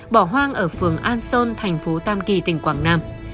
bỏ hoang ở phường an sơn thành phố tam kỳ tỉnh quảng nam